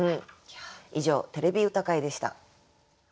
以上「てれび歌会」でした。